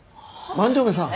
万城目さん。